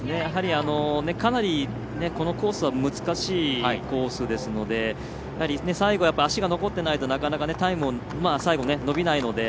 かなり、このコースは難しいコースですので最後、足が残っていないとなかなか、タイムが最後、のびないので。